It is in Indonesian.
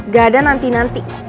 gak ada nanti nanti